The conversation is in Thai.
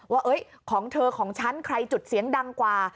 ว่าของเธอของฉันใครจุดเสียงดังกว่า